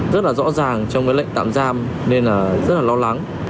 rất là rõ ràng trong cái lệnh tạm giam nên là rất là lo lắng